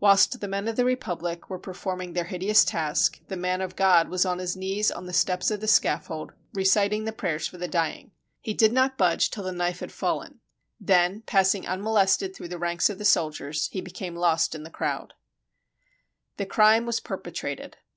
Whilst the men of the Republic were performing their hideous task, the man of God was on his knees on the steps of the scaffold, reciting the prayers for the dying. He did not budge till the knife 314 THE EXECUTION OF LOUIS XVI had fallen; then, passing unmolested through the ranks of the soldiers, he became lost in the crowd. The crime was perpetrated.